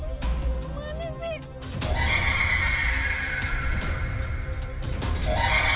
anak anak kemana sih